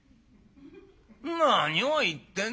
何を言ってんでい。